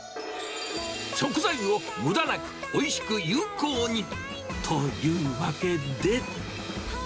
食材をむだなくおいしく有効に。というわけで。